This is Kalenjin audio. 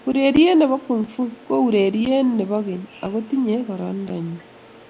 Urerie ne bo Kung Fu ko urerie ne bo keny ako tinyei kororintonyii.